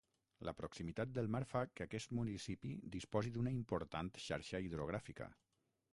La proximitat del mar fa que aquest municipi disposi d'una important xarxa hidrogràfica.